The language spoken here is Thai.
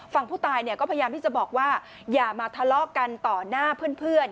ฝั่งผู้ตายก็พยายามที่จะบอกว่าอย่ามาทะเลาะกันต่อหน้าเพื่อน